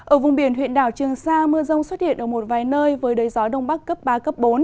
ở vùng biển huyện đảo trường sa mưa rông xuất hiện ở một vài nơi với đới gió đông bắc cấp ba cấp bốn